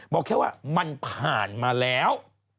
บอกแค่ว่ามันผ่านมาแล้ว